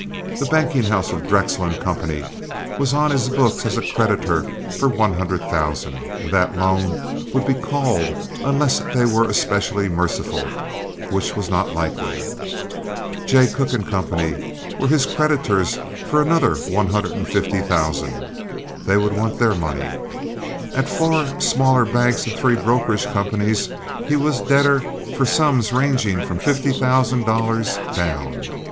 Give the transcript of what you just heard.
The banking house of Drexel & Co. was on his books as a creditor for one hundred thousand, and that loan would be called unless they were especially merciful, which was not likely. Jay Cooke & Co. were his creditors for another one hundred and fifty thousand. They would want their money. At four smaller banks and three brokerage companies he was debtor for sums ranging from fifty thousand dollars down.